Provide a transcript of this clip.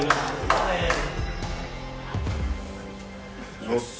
失礼します